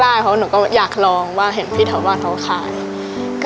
แล้ววันนั้นได้เป็นเงินเท่าไหร่ก็สามร้อยค่ะ